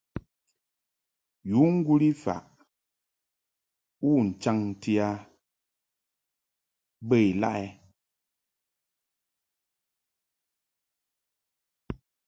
Yu ŋguli faʼ u chaŋti a bə ilaʼ ɛ ?